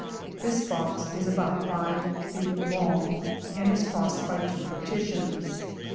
This box is about five feet long, and is crossed by two partitions.